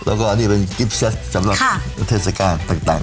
แล้วก็อันนี้เป็นกิฟเซตสำหรับเทศกาลต่าง